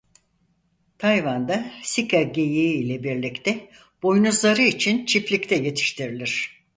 Tayvan'da sika geyiği ile birlikte boynuzları için çiftlikte yetiştirilir.